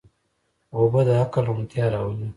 اوبه د عقل روڼتیا راولي.